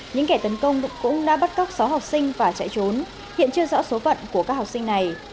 những kẻ tấn công cũng đã bắt cóc sáu học sinh và chạy trốn hiện chưa rõ số phận của các học sinh này